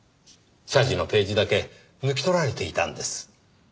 謝辞のページだけ抜き取られていたんです。